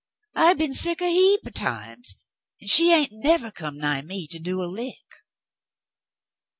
I be'n sick a heap o' times, an' she hain't nevah come nigh me to do a lick."